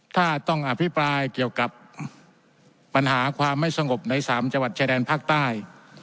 ถ้าต้องอภิปรายเกี่ยวกับปัญหาความไม่สงบใน๓จังหวัดชายแดนภาคใต้